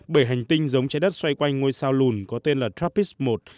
bảy hành tinh giống trái đất xoay quanh ngôi sao lùn có tên là trappist một